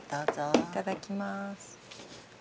いただきます。